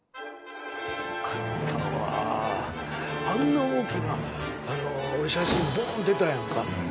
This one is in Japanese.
あんな大きな俺写真ぼん出たやんか。